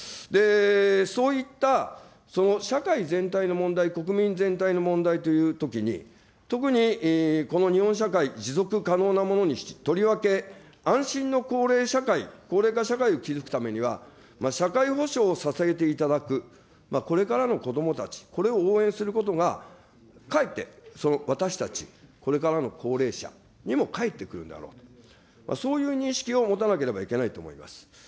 そういったその社会全体の問題、国民全体の問題というときに、特にこの日本社会、持続可能なものに、とりわけ、安心のこうれい社会、高齢化社会を築くためには、社会保障を支えていただくこれからの子どもたち、これを応援することが、かえって、その私たち、これからの高齢者にもかえってくるであろう、そういう認識を持たなければいけないと思います。